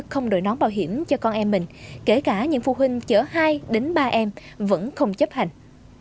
không đổi nón bảo hiểm cho con em mình kể cả những phụ huynh chở hai đến ba em vẫn không chấp hành